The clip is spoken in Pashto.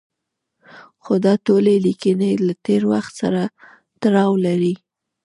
خو دا ټولې لیکنې له تېر وخت سره تړاو لري.